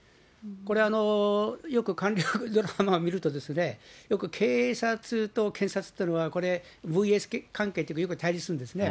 これよく韓国ドラマ見ると、よく警察と検察っていうのは、これ、ＶＳ関係というか、よく対立するんですね。